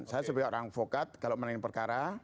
saya sebagai orang advokat kalau menangani perkara